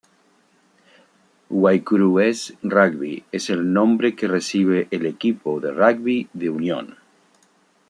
Guaycurúes Rugby es el nombre que recibe el equipo de rugby de Unión.